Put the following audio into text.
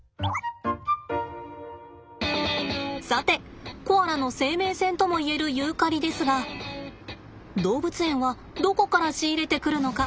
さてコアラの生命線ともいえるユーカリですが動物園はどこから仕入れてくるのか？